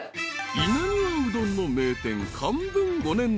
［稲庭うどんの名店］